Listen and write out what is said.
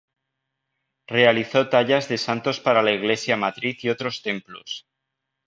Realizó tallas de santos para la Iglesia Matriz y otros templos.